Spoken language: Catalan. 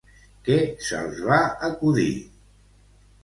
Què se'ls va acudir?